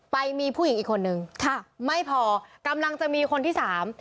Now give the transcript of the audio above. ไปมีผู้หญิงอีกคนนึงค่ะไม่พอกำลังจะมีคนที่สาม